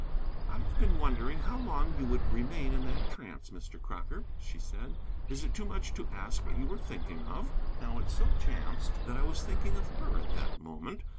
"I have been wondering how long you would remain in that trance, Mr. Crocker," she said. "Is it too much to ask what you were thinking of?" Now it so chanced that I was thinking of her at that moment.